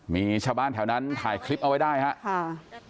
มีชาวบ้านแถวนั้นถ่ายคลิปเอาไว้ได้ครับ